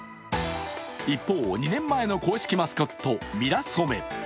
一方、２年前の公式マスコット、ミラソメ。